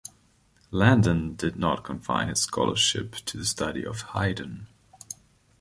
Landon did not confine his scholarship to the study of Haydn.